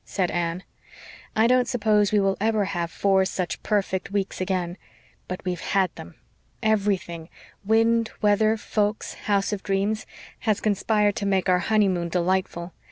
said Anne. "I don't suppose we will ever have four such perfect weeks again but we've HAD them. Everything wind, weather, folks, house of dreams has conspired to make our honeymoon delightful.